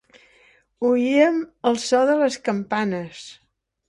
Oíem el so de les campanes.